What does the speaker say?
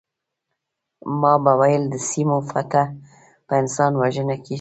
ما به ویل د سیمو فتح په انسان وژنه کیږي